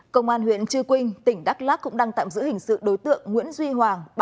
công an huyện chư quynh tỉnh đắk lắc cũng đang tạm giữ hình sự đối tượng nguyễn duy hoàng